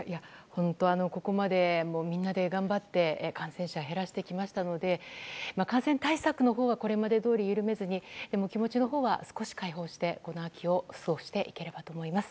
ここまでみんなで頑張って感染者減らしてきましたので感染対策のほうはこれまでどおり緩めずに気持ちのほうは少し開放してこの秋を過ごしていけるかと思います。